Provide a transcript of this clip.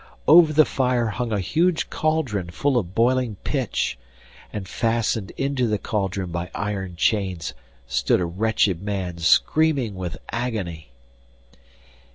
Over the fire hung a huge cauldron full of boiling pitch, and fastened into the cauldron by iron chains stood a wretched man screaming with agony.